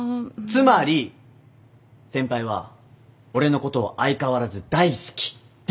つまり先輩は俺のことを相変わらず大好きですよね？